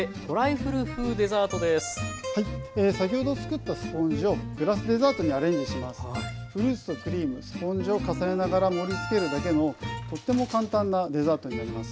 フルーツとクリームスポンジを重ねながら盛りつけるだけのとっても簡単なデザートになります。